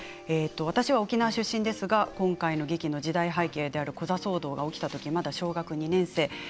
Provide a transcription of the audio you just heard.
私は沖縄出身ですが今回の劇の時代背景であるコザ騒動が起きたとき小学２年生。